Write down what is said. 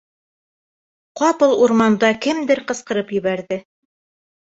Ҡапыл урманда кемдер ҡысҡырып ебәрҙе.